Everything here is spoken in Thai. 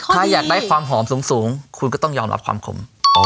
ถ้าอยากได้ความหอมสูงคุณก็ต้องยอมรับความขม